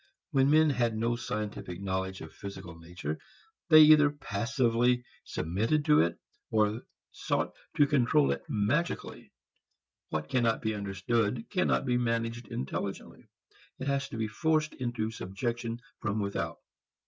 When men had no scientific knowledge of physical nature they either passively submitted to it or sought to control it magically. What cannot be understood cannot be managed intelligently. It has to be forced into subjection from without.